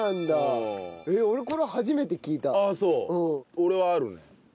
俺はあるね。